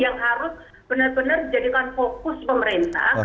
yang harus benar benar dijadikan fokus pemerintah